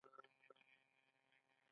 د مڼې پوستکی ډېر فایبر لري.